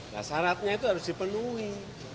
nah syaratnya itu harus dipenuhi